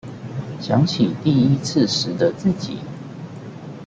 想起第一次時的自己